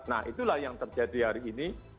nah itulah yang terjadi hari ini